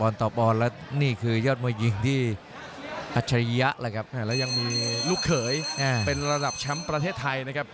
ลูกเขยเป็นระดับแชมป์ประเทศไทยนะครับ